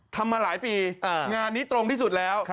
ทำมาหลายปีงานนี้ตรงที่สุดแล้ว